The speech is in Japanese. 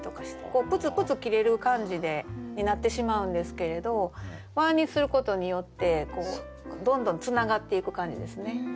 こうプツプツ切れる感じになってしまうんですけれど「は」にすることによってどんどんつながっていく感じですね。